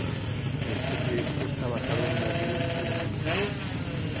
Este proyecto esta basado en Berlín, Alemania.